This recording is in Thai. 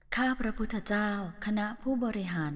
ข้าพระพุทธเจ้าคณะผู้บริหาร